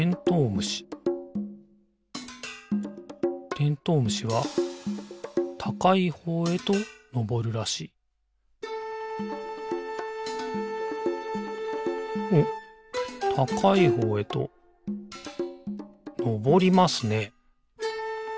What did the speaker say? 虫てんとう虫はたかいほうへとのぼるらしいおったかいほうへとのぼりますね。